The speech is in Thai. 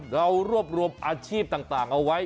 เรารวบรวมอาชีพต่างเอาไว้